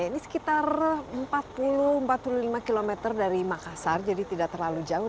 ini sekitar empat puluh empat puluh lima km dari makassar jadi tidak terlalu jauh